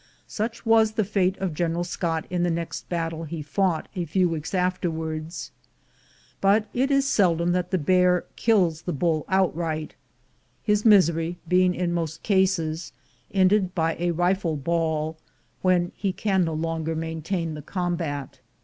Such was the fate of General Scott in the next battle he fought, a few weeks afterwards; but it is seldom that the bear kills the bull outright, his misery being in most cases ended by a rifle ball when he can no longer maintain the combat.